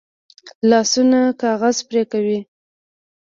لاسونه کاغذ پرې کوي